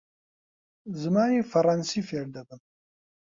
زمانی فەڕەنسی فێر دەبم.